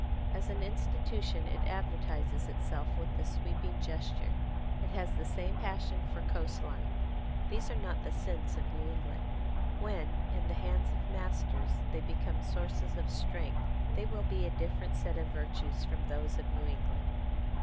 As an institution it advertises itself with the sweeping gesture. It has the same passion for coast line. These are not the sins of New England. When, in the hands of masters, they become sources of strength, they will be a different set of virtues from those of New England.